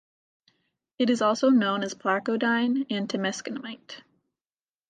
It is also known as placodine and Temiskamite.